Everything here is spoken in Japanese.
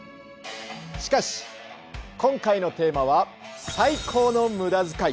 しかし今回のテーマは「最高の無駄遣い」。